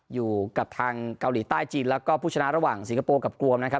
อยู่กับทางเกาหลีใต้จีนแล้วก็ผู้ชนะระหว่างสิงคโปร์กับกรวมนะครับ